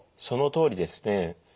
そのとおりですね。